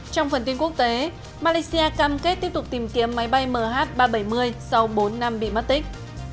trong phần tin quốc tế malaysia cam kết tiếp tục tìm kiếm máy bay mh ba trăm bảy mươi sau bốn năm bị mất tích